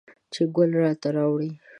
چې ګل راته راوړي